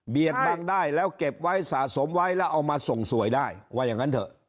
บังได้แล้วเก็บไว้สะสมไว้แล้วเอามาส่งสวยได้ว่าอย่างนั้นเถอะ